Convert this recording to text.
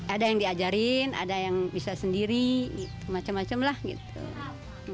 ada yang diajarin ada yang bisa sendiri macam macam lah gitu